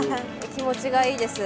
気持ちがいいです。